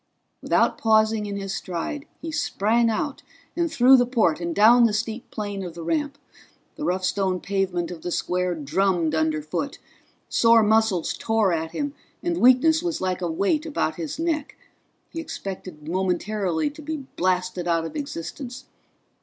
Without pausing in his stride he sprang out and through the port and down the steep plane of the ramp. The rough stone pavement of the square drummed underfoot; sore muscles tore at him, and weakness was like a weight about his neck. He expected momentarily to be blasted out of existence.